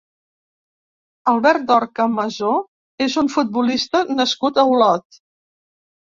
Albert Dorca Masó és un futbolista nascut a Olot.